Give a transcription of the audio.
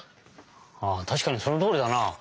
あったしかにそのとおりだな。